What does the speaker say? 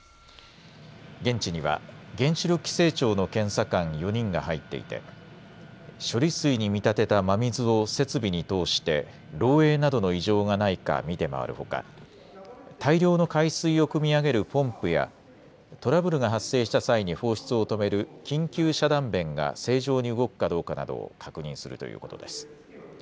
現地には原子力規制庁の検査官４人が入っていて処理水に見立てた真水を設備に通して漏えいなどの異常がないか見て回るほか大量の海水をくみ上げるポンプやトラブルが発生した際に放出を止める緊急遮断弁が正常に動くかどうかなどを確認するということです。